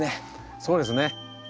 そうですね。